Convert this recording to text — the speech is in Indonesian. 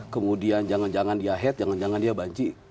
kemudian jangan jangan dia head jangan jangan dia banci